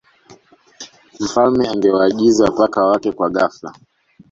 mfalme angewaagiza paka Wake kwa ghafla